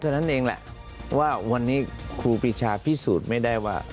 เท่านั้นเองแหละว่าวันนี้ครูปีชาพิสูจน์ไม่ได้ว่า